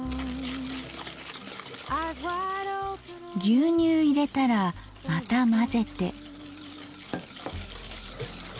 牛乳入れたらまた混ぜて。